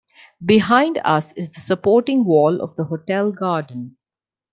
Behind us is the supporting wall of the hotel garden.